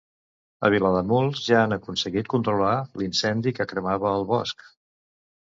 A Vilademuls ja han aconseguit controlar l'incendi que cremava el bosc.